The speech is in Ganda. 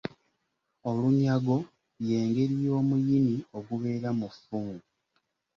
Olunyago y’engeri y’omuyini ogubeera mu ffumu.